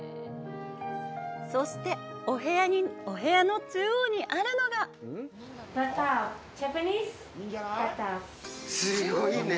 そして、お部屋の中央にあるのがすごいね！